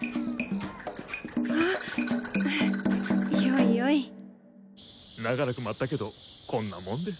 あっよいよい長らく待ったけどこんなもんです。